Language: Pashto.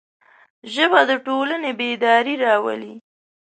ژبه د ټولنې بیداري راولي